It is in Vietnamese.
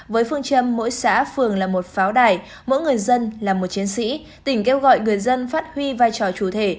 với phương châm mỗi xã phường là một pháo đài mỗi người dân là một chiến sĩ tỉnh kêu gọi người dân phát huy vai trò chủ thể